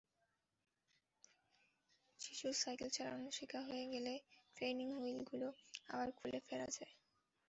শিশুর সাইকেল চালানো শেখা হয়ে গেলে ট্রেইনিং হুইলগুলো আবার খুলে ফেলা যায়।